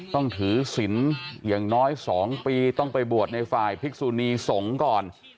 ต้องถือศิลป์อย่างน้อย๒ปีต้องไปบวชในฝ่ายพิกษุนีสงฆ์ก่อน